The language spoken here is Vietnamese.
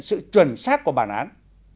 sự chuẩn xác của bản án